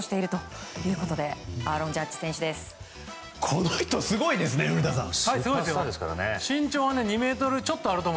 この人すごいですね古田さん！